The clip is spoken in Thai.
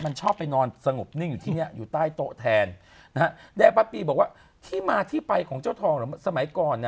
โรคนี้เนี่ยลูกสาวนางเนี่ย